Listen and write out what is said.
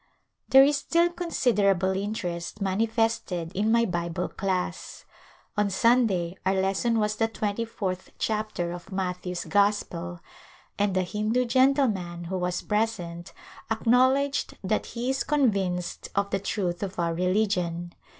There is still considerable interest manifested in my Bible class. On Sunday our lesson was the twenty fourth chapter of Matthew's Gospel and a Hindu gentleman who was present acknowledged that he is convinced of the truth of our religion.